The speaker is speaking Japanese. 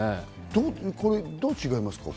どう違いますか？